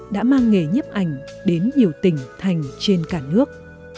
đã mang nghề nhiếp ảnh đến nhiều tỉnh thành trên cả nước